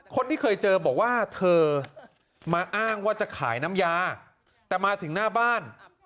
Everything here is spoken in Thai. คนที่เคยเจอบอกว่าเธอมาอ้างว่าจะขายน้ำยาแต่มาถึงหน้าบ้าน